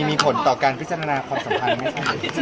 มีผลต่อการพิจารณาความสำคัญไหมค่ะ